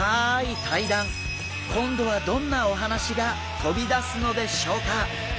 今度はどんなお話が飛び出すのでしょうか？